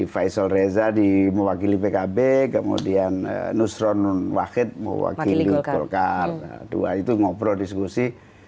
faisal reza di mewakili pkb kemudian nusron nun wahid mewakili golkar dua itu ngobrol diskusi